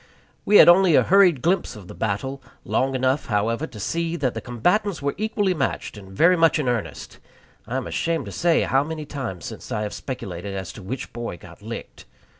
We had only a hurried glimpse of the battle long enough, however, to see that the combatants were equally matched and very much in earnest. I am ashamed to say how many times since I have speculated as to which boy got licked.